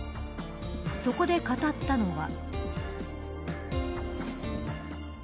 そこで語ったのは。